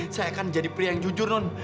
saya akan menjadi pria yang jujur non